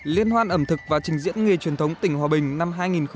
liên hoan ẩm thực và trình diễn nghề truyền thống tỉnh hòa bình năm hai nghìn một mươi chín